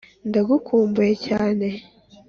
ndagukumbuye cyane.